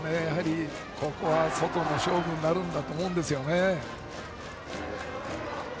ここは外の勝負になると思うんですね。